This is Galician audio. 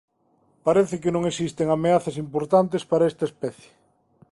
Parece que non existen ameazas importantes para esta especie.